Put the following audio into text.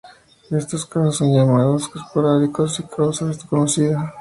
Estos casos son llamados esporádicos y su causa es desconocida.